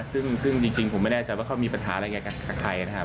ซึ่งจริงผมไม่แน่ใจว่าเขามีปัญหาอะไรกับใครนะครับ